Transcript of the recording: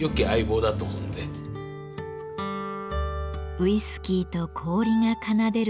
ウイスキーと氷が奏でる